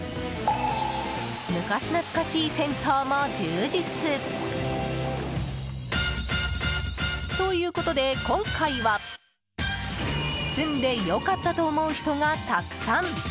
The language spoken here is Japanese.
昔懐かしい銭湯も充実！ということで今回は住んで良かったと思う人がたくさん！